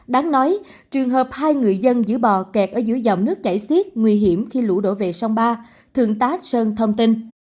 đáng nói trường hợp hai người dân giữ bò kẹt ở dưới dòng nước chảy xiết nguy hiểm khi lũ đổ về sông ba thượng tá sơn thông tin